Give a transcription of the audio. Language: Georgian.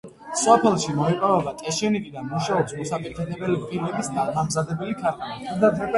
სოფელში მოიპოვება ტეშენიტი და მუშაობს მოსაპირკეთებელი ფილების დამამზადებელი ქარხანა.